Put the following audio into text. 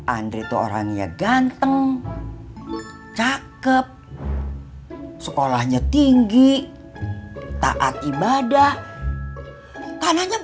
andre tuh orangnya ganteng cakep sekolahnya tinggi takat ibadah tanahnya banyak lagi